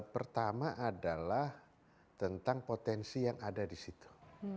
pertama adalah tentang potensi yang ada di situ